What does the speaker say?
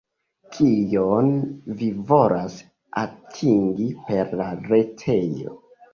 Kion vi volas atingi per la retejo?